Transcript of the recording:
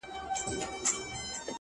دغه زرين مخ!